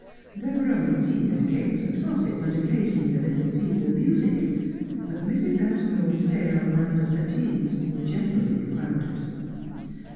There were only tea and cakes and gossip, and occasionally a little feeble music, but Mrs. As pinall's pale amber settees were generally crowded.